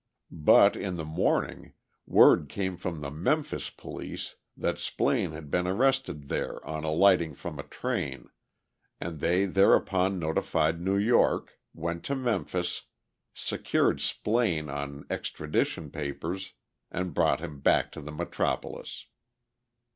But in the morning word came from the Memphis Police that Splaine had been arrested there on alighting from a train, and they thereupon notified New York, went to Memphis, secured Splaine on extradition papers, and brought him back to the metropolis.